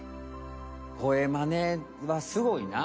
声マネはすごいな。